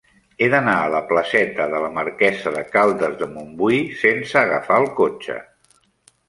He d'anar a la placeta de la Marquesa de Caldes de Montbui sense agafar el cotxe.